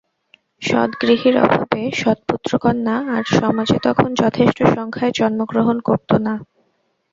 সৎ গৃহীর অভাবে সৎ পুত্রকন্যা আর সমাজে তখন যথেষ্ট সংখ্যায় জন্মগ্রহণ করত না।